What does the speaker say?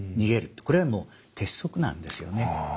これはもう鉄則なんですよね。